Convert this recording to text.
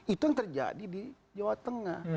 itu yang terjadi di jawa tengah